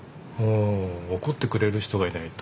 怒ってくれる人がいないと。